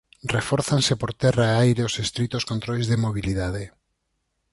Refórzanse por terra e aire os estritos controis de mobilidade.